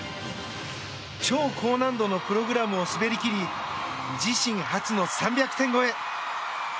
超高難度のプログラムを滑り切り自身初の３００点超え。